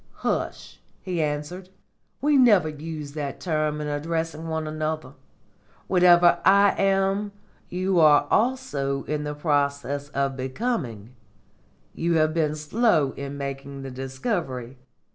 "Hush!" he answered; "we never use that term in addressing one another. Whatever I am, you are also in process of becoming. You have been slow in making the discovery.